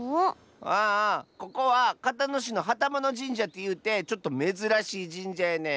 ああここはかたのしのはたものじんじゃってゆうてちょっとめずらしいじんじゃやねん。